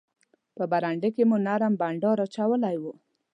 په برنډه کې مو نرم بانډار اچولی وو.